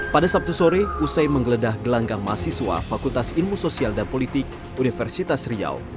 pada sabtu sore usai menggeledah gelanggang mahasiswa fakultas ilmu sosial dan politik universitas riau